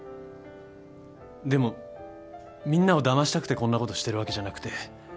でもみんなをだましたくてこんなことしてるわけじゃなくて。